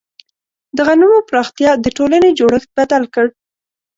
د غنمو پراختیا د ټولنې جوړښت بدل کړ.